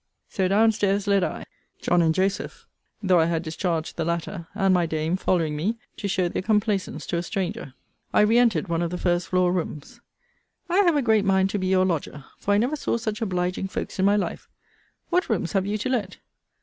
So down stairs led I. John and Joseph (though I had discharged the latter,) and my dame, following me, to show their complaisance to a stranger. I re entered one of the first floor rooms. I have a great mind to be your lodger: for I never saw such obliging folks in my life. What rooms have you to let?